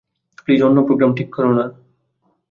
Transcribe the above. Please অন্য programme ঠিক করো না।